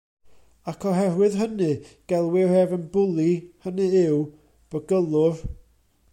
Ac oherwydd hynny gelwir ef yn Bully; hynny ydyw, Bygylwr.